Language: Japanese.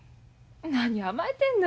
何甘えてんの。